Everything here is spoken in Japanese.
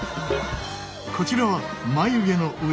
こちらは眉毛の上。